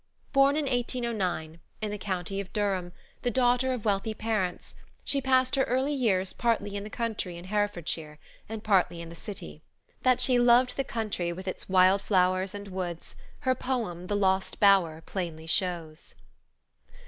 Born in 1809, in the county of Durham, the daughter of wealthy parents, she passed her early years partly in the country in Herefordshire, and partly in the city. That she loved the country with its wild flowers and woods, her poem, The Lost Bower, plainly shows.